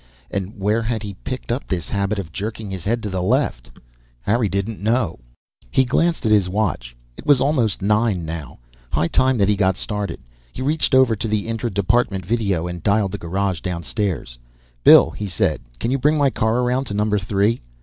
And where had he picked up this habit of jerking his head to the left? Harry didn't know. He glanced at his watch. It was almost nine, now. High time that he got started. He reached over to the interapartment video and dialled the garage downstairs. "Bill," he said. "Can you bring my car around to Number Three?"